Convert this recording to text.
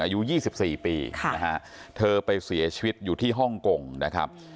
อายุ๒๔ปีนะฮะเธอไปเสียชีวิตอยู่ที่ฮ่องกงนะครับ